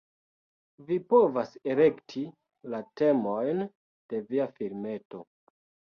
Vi povas elekti la temojn de via filmeto